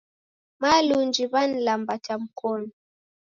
Malunji w'anilambata mkonu.